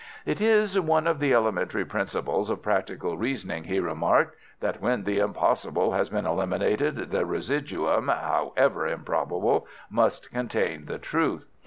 "It is one of the elementary principles of practical reasoning," he remarked, "that when the impossible has been eliminated the residuum, however improbable, must contain the truth.